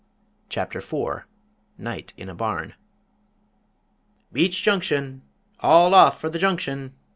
CHAPTER IV NIGHT IN A BARN "Beach Junction! All off for the Junction!"